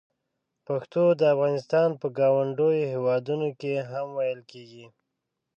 پښتو د افغانستان په ګاونډیو هېوادونو کې هم ویل کېږي.